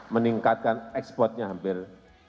meningkatkan ekspornya hampir